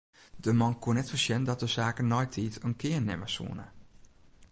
De man koe net foarsjen dat de saken neitiid in kear nimme soene.